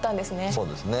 そうですね。